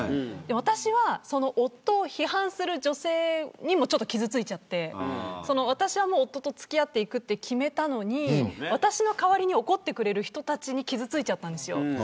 私は夫を批判する女性にもちょっと傷ついちゃって私は夫と付き合っていくって決めたのに私の代わりに怒ってくれる人たちに傷ついちゃったんですよ。